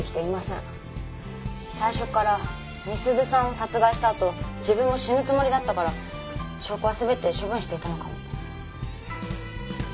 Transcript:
最初から美鈴さんを殺害した後自分も死ぬつもりだったから証拠はすべて処分していたのかも。